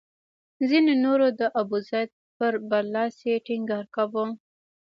ځینو نورو د ابوزید پر برلاسي ټینګار کاوه.